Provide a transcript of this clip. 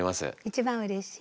一番うれしい。